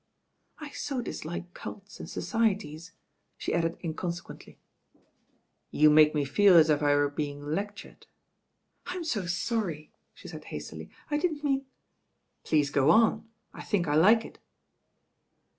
I so dislike cults and societies," she added inconse quently. "You make me feel as if I were being lectured." "I'm so sorry," she said hastily. "I didn't mean " "Please go on, I think I like it."